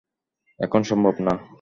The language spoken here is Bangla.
এখন সম্ভব না।